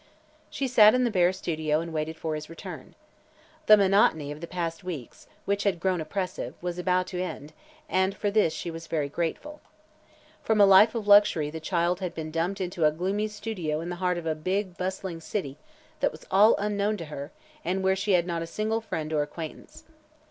She sat in the bare studio and waited for his return. The monotony of the past weeks, which had grown oppressive, was about to end and for this she was very grateful. For from a life of luxury the child had been dumped into a gloomy studio in the heart of a big, bustling city that was all unknown to her and where she had not a single friend or acquaintance.